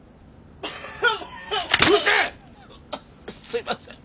すいません。